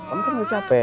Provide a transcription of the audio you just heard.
kamu kan gak capek